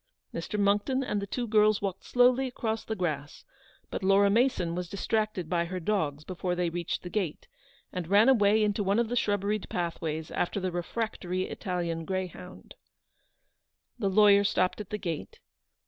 Mr. Monckton and the two girls walked slo^yly across the grass; but Laura Mason was distracted by her dogs before she reached the gate, and ran away into one of the shrubberied pathways after the refractory Italian greyhound. The lawyer stopped at the gate.